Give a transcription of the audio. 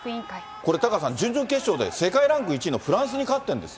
これタカさん、準々決勝で、世界ランク１位のフランスに勝っ